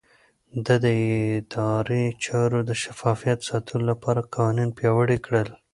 ده د ادارې چارو د شفافيت ساتلو لپاره قوانين پياوړي کړل.